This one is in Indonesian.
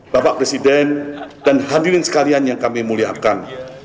bapak presiden dan hadirin sekalian yang kami muliakan